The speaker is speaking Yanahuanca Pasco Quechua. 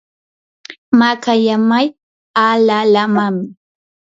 makallamay alalaamanmi.